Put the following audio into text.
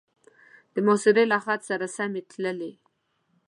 د محاصرې له خط سره سمې تلې.